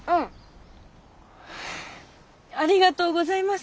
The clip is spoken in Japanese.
ありがとうございます。